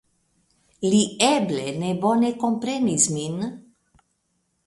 Li eble ne bone komprenis min.